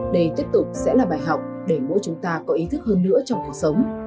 đây tiếp tục sẽ là bài học để mỗi chúng ta có ý thức hơn nữa trong cuộc sống